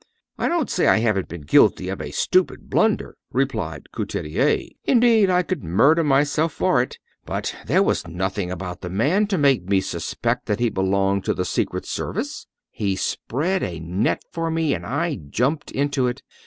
"I don't say I haven't been guilty of a stupid blunder," replied Couturier. "Indeed I could murder myself for it, but there was nothing about the man to make me suspect that he belonged to the secret service. He spread a net for me, and I jumped into it.